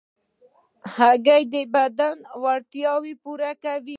هګۍ د بدن اړتیاوې پوره کوي.